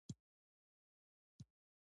افغانستان په چرګان باندې تکیه لري.